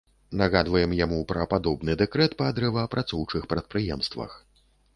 Нагадваем яму пра падобны дэкрэт па дрэваапрацоўчых прадпрыемствах.